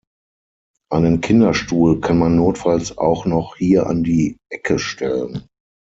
Einen Kinderstuhl kann man notfalls auch noch hier an die Ecke stellen.